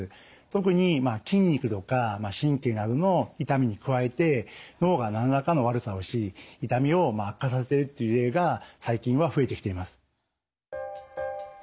特に筋肉とか神経などの痛みに加えて脳が何らかの悪さをし痛みを悪化させるっていう例が最近は増えてきています。